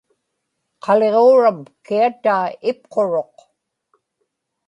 qaliġuuram kiataa ipquruq